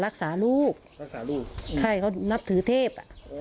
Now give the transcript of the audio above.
รักษาลูกใช่เขานับถือเทพ